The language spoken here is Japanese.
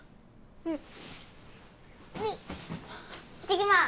うん！いってきます！